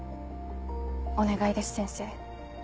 お願いです先生。